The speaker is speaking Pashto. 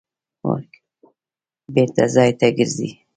بېرته ځای ته ګرځي.